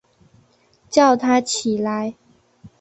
叫他起来